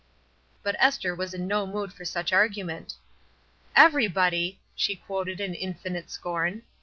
But Esther was in no mood for such argument. ''Everybody!" she quoted in infinite scorn.